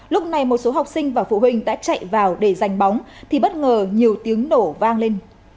lúc này một số học sinh và phụ huynh đã chạy vào để giành bóng thì bất ngờ nhiều tiếng nổ vang lên